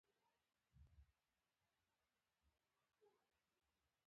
داسې لکه دوی چې هم د قتلونو په ځنځير کې کوشير کړې وي.